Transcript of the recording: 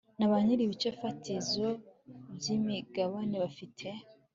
na ba nyir ibice fatizo by imigabane bafite